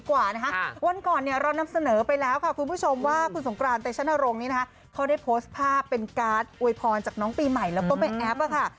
วันก่อนเนี่ยเรานำเสนอไปแล้วค่ะคุณผู้ชมว่าคุณสงกรานเตชนรงค์นี้นะคะเขาได้โพสต์ภาพเป็นการ์ดอวยพรจากน้องปีใหม่แล้วก็แม่แอฟค่ะ